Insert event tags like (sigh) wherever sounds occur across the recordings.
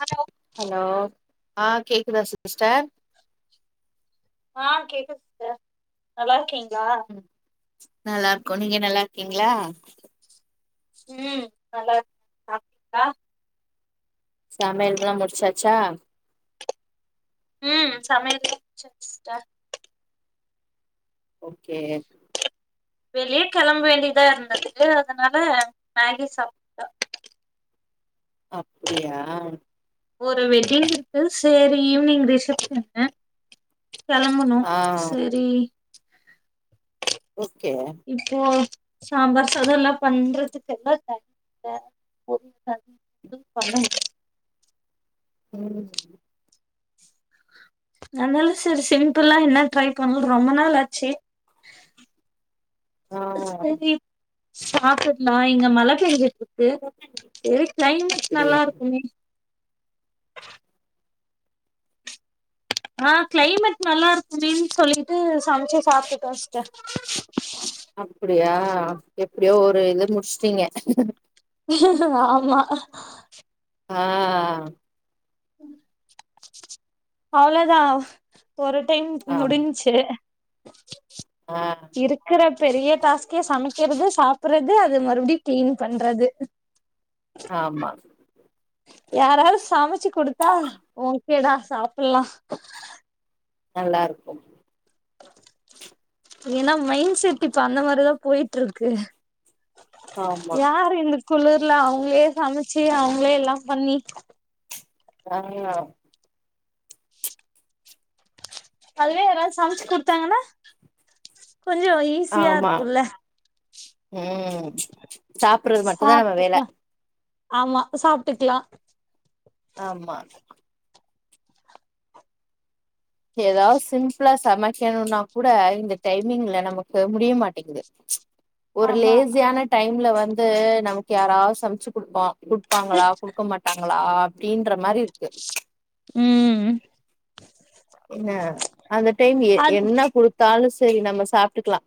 Hello hello ஆ கேக்குதா sister ஆ கேக்குது சிஸ்டர் நல்லா இருக்கீங்ளா? நல்லாருக்கோ நீங்க நல்லா இருக்கீங்ளா? ம் நல்லா இருக்க சாப் (inaudible) சமயல்குலா முடிச்சாச்சா ம் சமையல் எல்லா (inaudible) சிஸ்டர் ஓகே வெளிய கெளம்ப வேண்டியதா இருந்தது தே அதனால மேகி சாப்ட்டோ அப்டியா ஒரு வெட்டிங் இருக்கு சேரி ஈவினிங் ரிசப்ஷன்னு கெளம்பனு ஆ செரி ஓகே இப்போ சாம்பார் சாதோ எல்லா பண்றதுக்கு எல்லா த தா (inaudible) பண்ணணு ம் அனால செரி சிம்பிளா என்னா ட்ரை பண்ணி ரொம்ப நாள் ஆச்சு ஆ செரி சாப்பிட்லா இங்க மழ பெஞ்ச து செரி கிளைமட் அப்டியா நல்லா இருக்குமே ஆ கிளைமேட் நல்லா இருக்குமெனு சொல்லிட்டு சமச்சு சாப்டுக்குவே சிஸ்டர் அப்டியா எப்டியோ ஒரு இது முடிச்ட்டீங்க ஆமா ஆ அவ்ளோதா ஒரு டைம் ஆமா முடிஞ்ச்சு ஆ இருக்குற பெரிய டாஸ்கெ சமைக்கறது சாப்றது அத மறுபடியு கிளீன் பண்றது ஆமா யாராவது சமச்சு குடுத்தா ஓகேடா சாப்புல்லா நல்லா இருக்கு ஏன்னா மைண்ட் செட் இப்ப அந்த மாரிதா போயிட்ருக்கு ஆமா யாரு இந்த குளிர்ல அவங்களே சம ச்சு அவங்களே எல்லா பண்ணி ஆமா அதுவே யாராவது சமச்சு குடுத்தாங்கன்னா கொஞ்சோ ஈஸியா ஆமா இருக்குல்ல ம் சாப்புறது மட்டுதா நம்ம வேல சாப்ட்டுக்கலா ஆமா சாப்டுக்லா ஆமா ஏதா சிம்பிளா சமைக்கணுனா கூட இந்த டைமிங்க்ல நமக்கு முடிய மாட்டேங்குது ஒரு ஆமா லேசியான டைம்ல வந்து நமக்கு யாரா சமச்சு குடுப்பா குடுப்பாங்களா குடுக்க மாட்டாங்களா அப்டின்ற மாரி இருக்கு ம் என்ன அந்த டைம் எ அது என்ன குடுத்தாலு செரி நம்ம சாப்டுக்குலா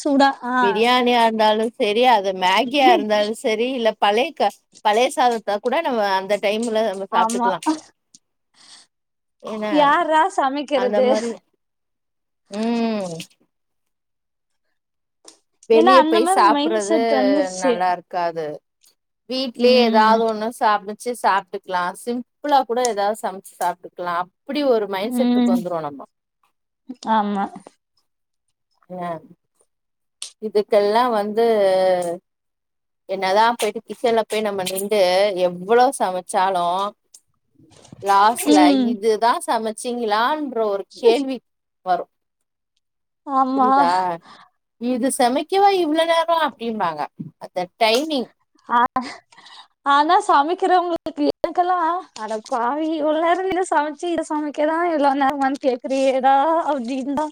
சூடா ஆ பிரியாணியா இருந்தாலு செரி அது மேகியா இருந்தாலு செரி இல்ல பழைய க பழைய சாதத்த கூட நம்ம அந்த டைம்ல நம்ம ஆமா சாப்ட்டுக்குலா அ யார்ரா அந்த சமைக்கிறது மாரி ம் ஏன்னா வெளியே அந்த போய் மாரி மைண்ட் சாப்புறது செட் வந்துருச்சு நல்லா இருக்காது வீட்லயே ம் ஏதாவது ஒண்ணு சாப்டு ச்சு சாப்ட்டுக்குலா சிம்பிளா கூட ஏதா சமச்சு சாப்ட்டுக்குலா இப்டி ஒரு மைண்ட் செட்டுக்கு ம் வந்துருவோ நம்ம ஆமா ஆ இதுக்கெல்லா வந்து என்னதா போயிட்டு கிச்சன்ல போய் நம்ம நிண்டு எவ்ளோ சமச்சாலு லாஸ்ட்ல இதுதா சமச்சீங்குளான்ட் அ (unintelligible) வரு புரிதா இது சமைக்கவா இவ்ளோ நேரோ அப்டிம்பாங்க அந்த டைமிங் ஆ ஆனா சமைக்கிறவங்களுக்கு எனக்கெல்லா அடிப்பாவி இவ்ளோ நேரோ நின்னு ச் சமச்சி இது சமைக்கதா இவ்ளோ நேரமானு கேக்கிரியே டா அப்டினுதா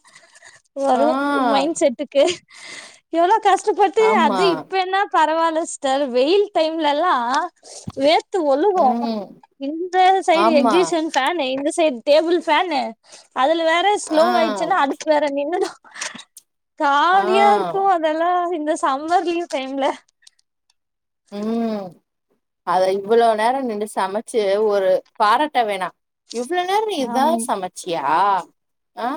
ஆ வரு மைண்செட்டுக்கு எவ்ளோ கஷ்டப்பட்டு ஆமா அது இப்ப என்னா பரவால்ல சிஸ்டர் வெயில் டைம்லல்லா வேர்த் த்து ஒழுகு ம் இந்த சைடு ஆமா எக்ஸிஷன் ஃபேன் சரி டேபிள் ஃபேனு அதுல வேற ஸ்லோ ஆ ஆயிச்சுன்னா அதுக்கு வேற நின்னுடு ஆ காளியா இருக்கு அதெல்லா இந்த சம்மர் லீவ் டைம்ல ம் அத இவ்ளோ நேரம் நின்டு சமைச்சு ஒரு பாரட்ட வேணா இவ்ளோ நேர நீ இதா ஆம் சமச்சியா ஆ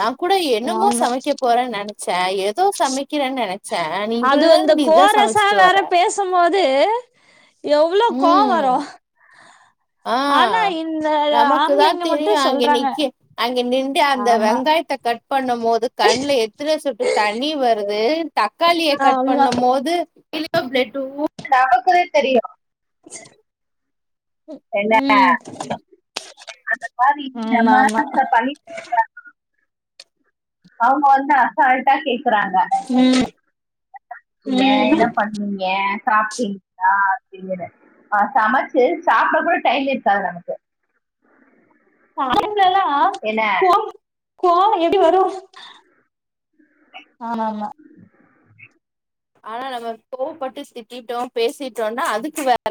நா கூட என்னமோ ஆமா சமைக்க போறேன்னு நெனச்ச ஏதோ சமைக்கிறேன்னு நெனச்ச நீ இவ்ளோ நேரோ நீ இதா சமைச்சிட்டு வர க்குபோது எவ்ளோ கோ ம் வரு ஆ ஆனா இந்த நமக்கு தா ஆம்பளைங்க மட்டு தெரியு அங்க சொல்றாங்க நிக்கு அங்க நின் ட்டு அந்த ஆமா வெங்காயத்த கட் பண்ணும் போது கண்ல எத்தன சொட்டு தண்ணி வருது தக்காளிய கட் ஆமா பண்ணும் போது பிளட் ஊத்து நமக்கு தா தெரியு ம் அடபாவி நம்ம ஆமா ஆமா மேல பழி போடுவாங்க அவங்க வந்து அசால்டாக்கேக் க்குறாங்க ம் ஏ ம் என்ன பண்ணிங்க சாப்டீங்களா அப்டினு ஆ சமச்சு சாப்ட கூட டைம் இருக்காது நமக்கு (inaudible) காலைலலா என்ன? கோம் கோவ எப்டி வரு ஆமா ஆமா ஆனா நம்ம கோவப்பட்டு திட்டிட்டோ பேசிட்டோனா அதுக்கு வேற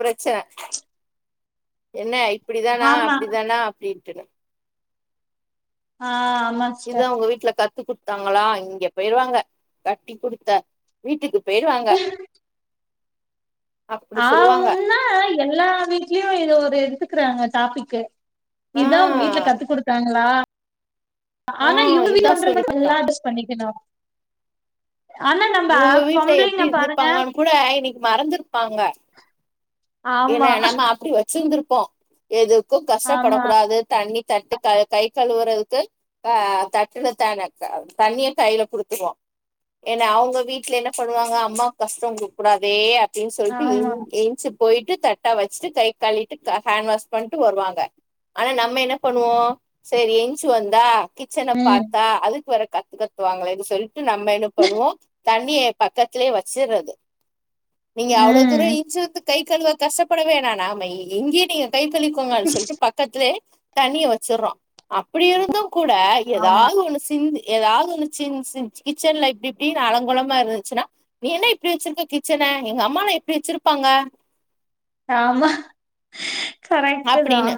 பிரச்சன என்ன இப்டி தானா ஆமா அப்டி தானா அப்டி டின்னு ஆ ஆமா இதா சிஸ்டர் உங்க வீட்டுல கத்து குத்தாங்களா இங்க போயிருவாங்க கட்டி குடுத்த வீட்டுக்கு பேய்ரு வாங்க ஆ ஊன்னா எல்லா வீட்லயு இது ஒரு எடுத்துக்கறாங்க டாபிக்கு ஆ இதா உ வீட்ல கத்து குடுத்தாங்களா ஆ ஆனா யுவங்க வீட்ல இதா பன்றத சொல்லி மட்டு நல்லா குடுத்தாங்க. அட்ஜஸ் பண்ணிக்கணு ஆனா நம்ம இவங்க வீட்ல எப்டி பொம்பளைங்க பாருங்க இருந்திருப்பாங்கன்னு கூட இன்னைக்கு மறந்திருப்பாங்க ஏன ஆமா நம்ம அப்படி வச்சிருந்திருப்போ எதுக்கு கஷ்டப்பட ஆமா கூடாது தண்ணி தட்டு க கை கழுவுறதுக்கு ஆ தட்டுல தான தண்ணிய கையில குடுத்துருவோ ஏன்னா அவங்க வீட்ல என்ன பண்ணுவாங்க அம்மாக்கு கஷ்ட கொடுக் கூடாதே இன்னு சொல்ட்டு ஆமா இன் இன்ச்சி போயிட்டு தட்ட வச்சுட்டு கை கழிவிட்டு ஹாண்ட் வாஷ் பண்ட்டு வருவாங்க ஆனா நம்ம என்ன பண்ணுவோ சரி எஞ்ச்சு வந்தா கிச்சன ம் பார்த்தா அதுக்கு வேற கத்து கத்துவாங்களேன்னு சொல்லிட்டு நம்ம என்ன பண்ணுவோ தண்ணிய பக்கத்திலயே வச்சறது நீங்க அவ்ளோ ம் தூரோ இஞ்ச் வந்து கை கழுவ கஷ்டப்பட வேணா நாம இங்கயே நீங்க கை கழிக்கோங்கனு சொல்ட்டு பக்கத்துலே தண்ணிய வச்சறோ அப்படி இருந்து கூட ஆமா ஏதாவது ஒண்ணு சிந்தி ஏதாவதுச்சு சி சி கிச்சன்ல இப்டி இப்டின்னு அலங்கோலமா இருந்துச்சுன்னா நீ என்ன இப்டி வச்சிருக்க கிச்சன எங்க அம்மாலா எப்டி வச்சிருப்பாங்க ஆமா கரெக்ட் தா அப்படின்னு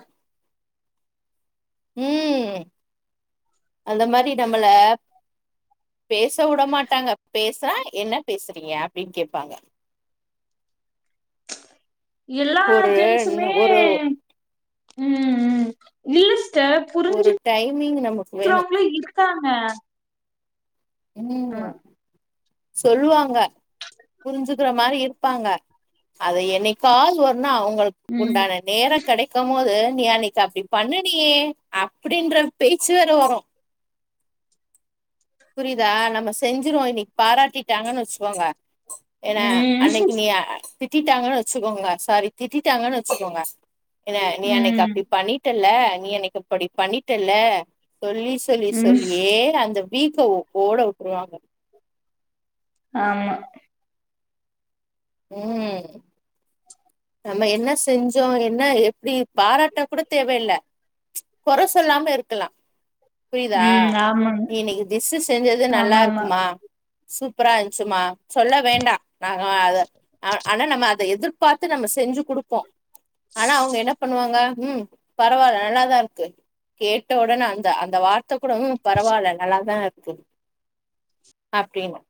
ம் அந்த மாரி நம்மள பேச வுட மாட்டாங்க பேசா என்ன பேசுறீங்க அப்டின்னு கேப்பாங்க எல்லா ஒரு ஜென்ஸுமே ஒரு ம் ம் யூஸ் ஒரு டைமிங் நமக்கு வேணு புரிஞ்சுக்கறவங்களு இருக்காங்க ஆமா ம் சொல்லுவாங்க புரிஞ்சுக்குற மாரி இருப்பாங்க அது என்னைக்காவது ஒர்னா அவ்ங்களுக்கு ம் உண்டான நேர கெடைக்கும் போது நீ அன்னக்கி அப்டி பண்ணுனியே அப்டின்ற பேச்சு வேற வரு புரியுதா நம்ம செஞ்சுருவோ இன்னக்கி பாராட்டிட்டாங்கன் வச்சுகோங்க ஏன்னா ம் அன்னக்கி நீ திட்டிட்டாங்கன் வச்சுக்கோங்க சாரி திட்டிட்டாங்கன் வச்சுக்கோங்க என்ன நீ அன்னக்கி ம் அப்டி பண்ணிட்ட ல நீ அன்னக்கி அப்டி பண்ணிட்டல்ல சொல்லி சொல்லி ம் சொல்லியே அந்த வீக்க ஓட வுட்ருவாங்க ஆமா ம் நம்ம என்ன செஞ்சோ என்ன எப்டி பாராட்ட கூட தேவயில்ல கொற சொல்லாம இருக்கலா புரியுதா ம் ஆமாங்க நீ இன்னக்கி டிஸ்சு செஞ்சது நல்லா ஆமா ஆமா இருக்குமா சூப்பரா இருந்ச்சுமா சொல்ல வேண்டா நாங்க அத ஆனா நம்ம அத எதுர் த்து நம்ம செஞ்சு குடுப்போ ஆனா அவுங்க என்ன பண்ணுவாங்க ம் பரவால்ல நல்லாதா இருக்கு கேட்ட ஒடனே அந்த அந்த வார் த்த கூட ம் பரவால்ல நல்லாதா இருக்கு அப்டின்னு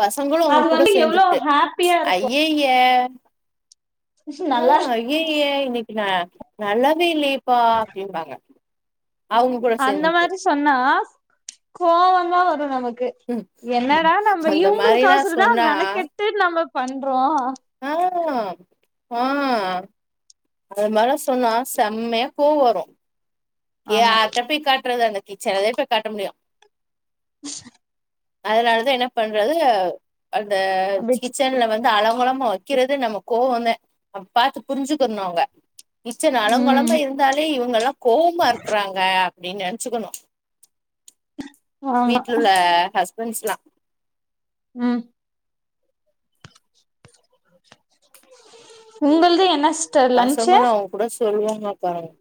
பசங்களு அவ்ங்க அது கூட வந்து எவ்ளோ சேந்துட்டு ஹாப்பியா இருக்கு ஐய்யய்ய ஆ நல்லா ஐய்யய்ய இன்னக்கி ந நல்லாவே இல்லையப்பா அப்டிம்பாங்க அந்த மாரி சொன்னா கோவமா வரு நமக் கு ம், ம். என்னடா நம்ம அந்த மாதிரிலாம் இவங்களுக்கொசரந் தா சொன்னா மெனக்கெட்டு நம்ம பண்றோ ஆ ஆ அது மார்லா சொன்னா செம்மையா கோவ வரு ஆமா யார்ட்ட போய் காட்றது கிச்சன்லதே போய் காட்ட முடியு அதுனாலதா என்ன பண்றது அந்த அப்டிச்சு கிச்சன்ல வந்து அலங்கோலம் மா வக்கிறதே நம்ம கோவமே பாத்து புரிஞ்சுக்கர்னு அவுங்க கிட்சன் அலங்கோழமா ம் இருந்தாலே இவுங்கல்லா கோவமா இருக்குறாங்க அப்டின்னு நெனச்சுக்கணு ஆமா வீட்ல உள்ள ஹஸ் ஸ்பன்ஸ்லா ம் உங்கள்து என்ன சிஸ்டர் லன்ச்சு பசங்களு அவுங்க கூட சொல்வாங்க பாருங்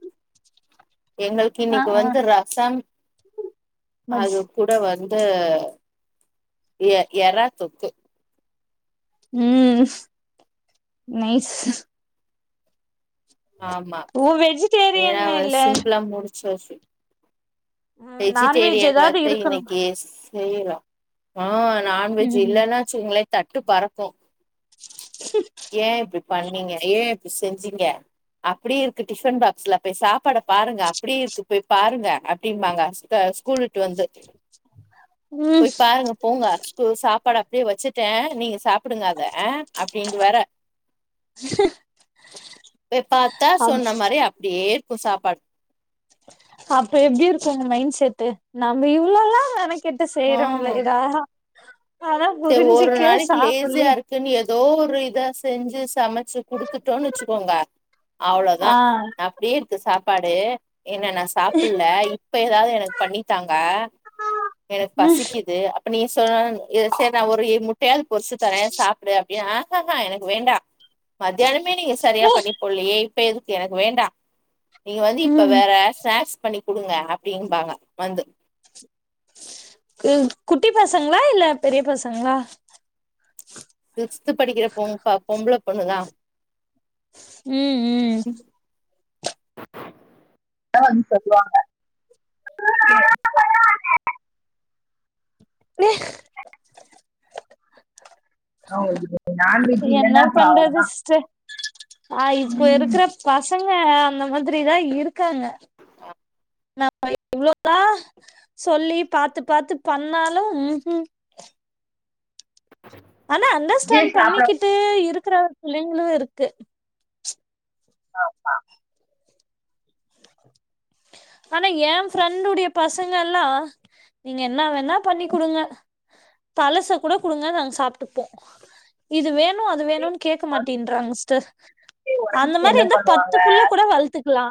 எங்களுக்கு ஆ இன்னக்கி ஆ வந்து ரசம் மட்ஸ் அது கூட வந்து எ எராத்தொக்கு ம் நைஸ் ஆமா ஓ ஏனா வெஜிடேரியன் இல்ல வந் சிப்லா முடுச்சாச்சு ம் நான்வெஜ் வெஜிடேரியன் எதாவது வந்து இருக்கணு இன்னக்கி செய்யல ஆ நான்வெஜ் ம் இல்லன்னா வச்சுங்கங்ளே தட்டு பறக்கு ஏ இப்டி பண்ணீங்க ஏ இப்டி செஞ்சீங்க அப்டியே இருக்கு டிஃபன் பாக்ஸ்ல போய் சாப்பாட பாருங்க அப்டியே இருக்கு போய் பாருங்க அப்டிம்பாங்க ஸ்த ஸ்கூல் விட்டு வந்து ம் போய் பாருங்க போங்க ஸ்கூல் சாப்பாடு அப்டியே வச்சுட்டே நீங்க சாப்டுங்க அத ஆ அப்டீன்டு வர போய் பாத்தா அப் சொன்ன மாரி அப்டியே இருக்கு சாப்பாடு அப்ப எப்டி இருக்கு ஒங்க மைண்ட் செட்டு நம்ம இவ்ளோல்லா மெனக் கெட்டு செய்றோல்ல எதா சேர் ஒரு நாளக்கி சாப்புட்ல லேசியா இருக்குன்னு ஏதோ ஒரு இத செஞ்சு சமச்சு குடுத்துட்டோன்னு வச்சுக்கோங்க அவ்ளோதா ஆ அப்டியே இருக்கு சாப்பாடு என்ன நா சாப்பிட்ல இப்ப ஏதாவது எனக்கு பண்ணி தாங்க எனக்கு ம் பசிக்குது அப்ப நீ சொன்ன எ செரி நா ஒரு முட்டையாவது பொரிச்சு தரே சாப்புடு அப் டி ஆஹஹா எனக்கு வேண்டா மத்தியானமே நீங்க செரியா பண்ணி போட்லையே இப்ப எதுக்கு எனக்கு வேண்டா நீங்க வந்து இப்ப ம் வேற ஸ்நாக்ஸ் பண்ணி குடுங்க அப்டிம்பாங்க வந்து கு குட்டி பசங்களா இல்ல பெரிய பசங்களா சிக்ஸ்த் படிக்கிற பொ பொம்பள பொண்ணுதா ம் ம் (unintelligible) வந்து சொல்லுவாங்க ஏ ஆ இதுதா என்ன பண்றது சிஸ்டர் ஆ இப்ப ம். இருக்குற பசங் க அந்த மாதிரிதா இருக்காங்க நம்ம இவ்ளோவுதா சொல்லி பாத்து பாத்து பண்ணாலு உஹு ஆனா அண்டர்ஸ்டாண்ட் விஜய் சாப்பிட பண்ணிக்கிட்டு இருக்குற பிள்ளைங்களு இருக்கு ஆ ஆ ஆனா எ ஃப்ரெண்டுடைய பசங்கள்லா நீங்க என்ன வேனா பண்ணி குடுங்க தலச கூட குடுங்க நாங்க சாப்ட்டுப்போ இது வேணுமக்ஷ அது வந்து வேணுன் கேக்க மந்த்லி மாட்டேன்றாங்க ஸ்டர் அந்த ஒன்ஸ் மாரி என்ன இருந்தா பத்து பண்ணுவாங்க புள்ள கூட வள்த்துக்குலா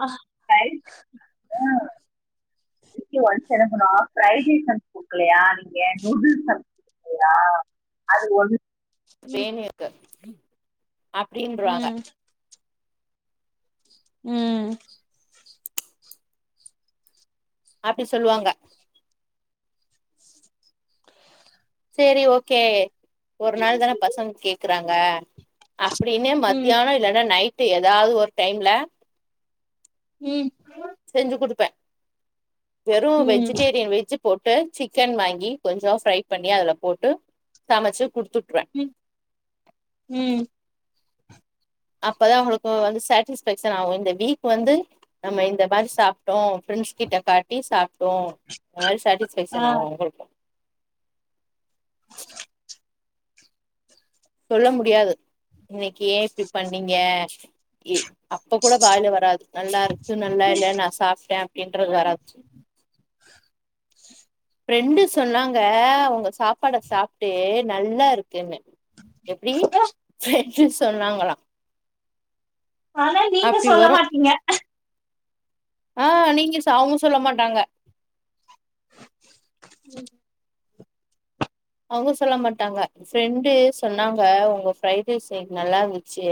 வீக்லி ஒன்ஸ் என்ன பண்ணுவாங்கனா ஃரைஸ் சம் குடுக்கலையா நீங்க நூடுல்ஸ் சம் லியா அது ஒண்ணு ம் வேணு என்க்கு அப்டின்றாங்க ம் ம் அப்டி சொல்லுவாங்க செரி ஓகே ஒரு நாள் தானே பசங்க கேக்குறாங்க அப்டின்னே மத்தியானே இல்லன்னா நைட்டு ஏதாவது ஒரு டைம்ல ம் செஞ்சு கொடுப்பே வெறு ம் வெஜிடேரியன் வெஜ்ஜு போட்டு சிக்கன் வாங்கி கொஞ்சோ ஃப்ரை பண்ணி அதுல போட்டு சமச்சு ம் ம் அப்பதா அவங்களுக்கு வந்து சாட்டிஸ்ஃபேக்ஷன் ஆகு இந்த வீக் வந்து நம்ம இந்த மாரி சாப்ட்டோ ஃப்ரன்ட்ஸ் கிட்ட காட்டி சாப்ட்டோ இந்த மாரி ஆ சாட்டிஸ்ஃபேக்ஷன் ஆகு அவங்களுக்கு சொல்ல முடியாது இன்னைக்கு ஏ இப்டி பண்ணீங்க இ அப்போ கூட வாயில வராது நல்லா இருக்கு நல்லா இல்ல நா சாப்ட்டே என்றது வரா ஃப்ரெண்டு சொன்னாங்க உங்க சாப்பாட சாப்ட்டு நல்லா இருக் குன்னு எப்டி ஃப்ரெண்ட்ஸு சொன்னாங்களா ஆனா நீங்க அப்டி சொல்ல வரு மாட்டீங்க ஆ நீங்க ச் அவங்க சொல்ல மாட்டாங்க ம் அவங்க சொல்ல மாட்டாங்க ஃப்ரெண்டு சொன்னாங்க உங்க ஃப்ரைட் ரைஸ்ஸு நல்லா இருந்துச்சு